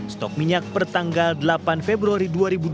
stok minyak per tanggal delapan februari dua ribu dua puluh dua